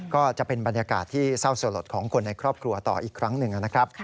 ก็จะเป็นบรรยากาศที่เศร้าสลดของคนในครอบครัวต่ออีกครั้งหนึ่งนะครับ